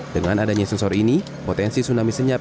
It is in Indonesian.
dengan adanya sensor ini potensi tsunami senyap